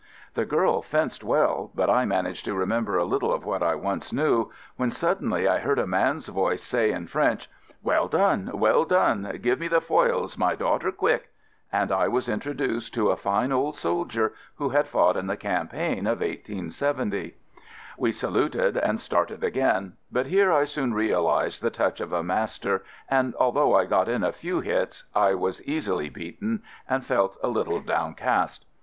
The girl fenced well, but I managed to remember a little of what I once knew, when suddenly I heard a man's voice say in French, "Well done, well done — give me the foils, my daughter, quick"; and I n AMERICAN AMBULANCE was introduced to a fine old soldier who had fought in the campaign of 1870. We saluted and started again, but here I soon realized the touch of a master, and al though I got in a few hits I was easily beaten and felt a little downcast.